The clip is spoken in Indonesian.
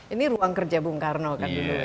ini ruang kerja bung karno kan dulu